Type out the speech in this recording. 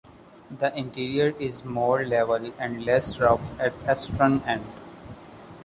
The interior is more level and less rough at the eastern end.